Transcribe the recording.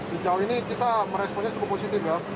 di jauh ini kita meresponnya cukup positif ya